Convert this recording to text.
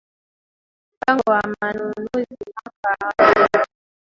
Mpango wa Manunuzi mwaka wa fedha